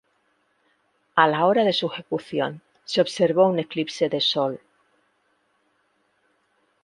A la hora de su ejecución se observó un eclipse de sol.